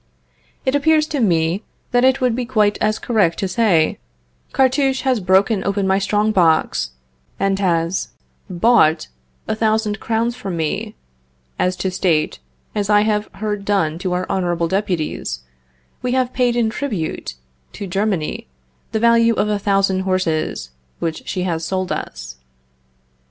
It appears to me that it would be quite as correct to say, Cartouche has broken open my strong box, and, has bought a thousand crowns from me, as to state, as I have heard done to our honorable deputies, We have paid in tribute to Germany the value of a thousand horses which she has sold us.